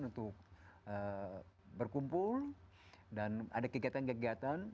untuk berkumpul dan ada kegiatan kegiatan